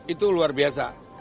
itu luar biasa